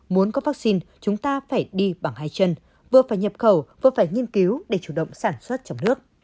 muốn có vaccine chúng ta phải đi bằng hai chân vừa phải nhập khẩu vừa phải nghiên cứu để chủ động sản xuất trong nước